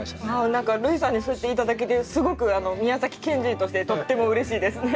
何か類さんにそう言って頂けてすごく宮崎県人としてとってもうれしいですね